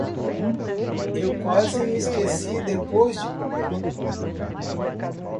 Eu quase me esqueci depois de comer.